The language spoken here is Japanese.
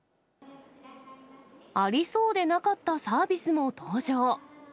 ありそうでなかったサービスも登場。